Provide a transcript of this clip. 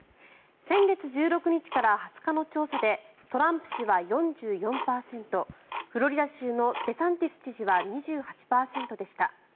先月１６日から２０日の調査でトランプ氏は４４％フロリダ州のデサンティス知事は２８％でした。